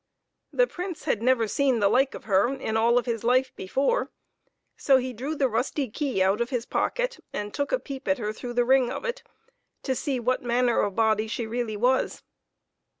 The Prince had never seen the like of her in all of his life before, so he drew the rusty key out of his pocket and took a peep at her through the ring of it, to see what manner of body she really was.